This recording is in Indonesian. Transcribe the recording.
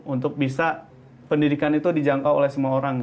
untuk bisa pendidikan itu dijangkau oleh semua orang